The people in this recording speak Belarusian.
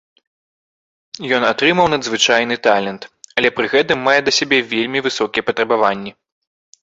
Ён атрымаў надзвычайны талент, але пры гэтым мае да сябе вельмі высокія патрабаванні.